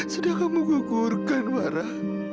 sudah kamu gugurkan farah